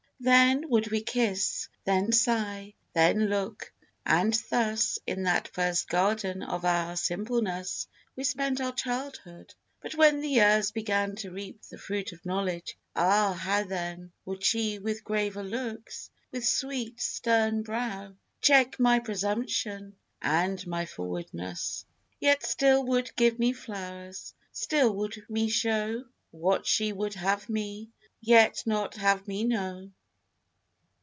Then would we kiss, then sigh, then look; and thus In that first garden of our simpleness We spent our childhood. But when years began To reap the fruit of knowledge, ah, how then Would she with graver looks, with sweet, stern brow, Check my presumption and my forwardness; Yet still would give me flowers, still would me show What she would have me, yet not have me know.